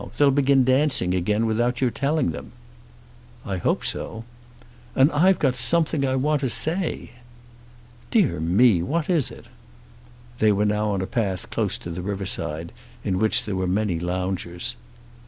They'll begin dancing again without your telling them." "I hope so." "And I've got something I want to say." "Dear me; what is it?" They were now on a path close to the riverside, in which there were many loungers.